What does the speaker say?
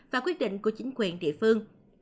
và quyết định của chính quyền địa phương